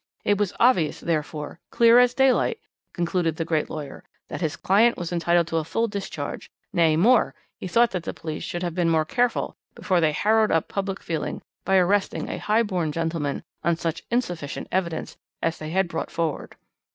It was obvious, therefore, clear as daylight, concluded the great lawyer, that his client was entitled to a full discharge; nay, more, he thought that the police should have been more careful before they harrowed up public feeling by arresting a high born gentleman on such insufficient evidence as they had brought forward.